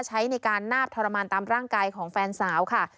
ใช้ในการนาบทรมานตามร่างกายของแฟนสาวค่ะ